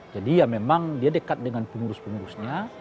jadi ya memang dia dekat dengan pengurus pengurusnya